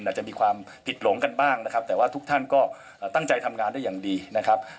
อาจจะมีความผิดหลงกันบ้างนะครับแต่ว่าทุกท่านก็ตั้งใจทำงานได้อย่างดีนะครับ